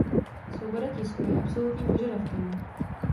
Svoboda tisku je absolutním požadavkem.